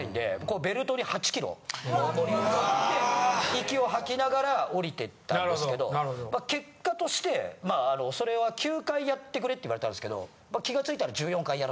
息を吐きながら下りていったんですけど結果としてそれは９回やってくれって言われたんですけど気がついたら。